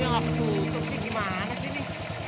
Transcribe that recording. dia nggak tertutup sih gimana sih ini